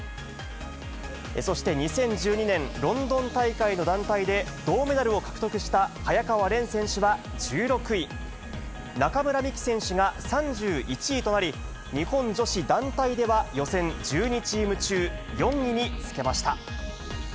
そして２０１２年、ロンドン大会の団体で銅メダルを獲得した早川漣選手は、１６位、中村美樹選手が３１位となり、日本女子団体では、予選１２チーム中、４位につけました。